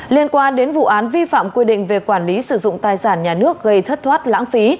liên quan đến vụ án vi phạm quy định về quản lý sử dụng tài sản nhà nước gây thất thoát lãng phí